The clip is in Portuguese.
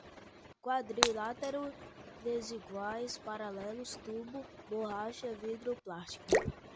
quadrilátero, desiguais, paralelos, tubo, borracha, vidro, plástico